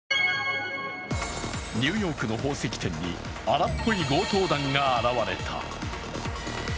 ニューヨークの宝石店に荒っぽい強盗団が現れた。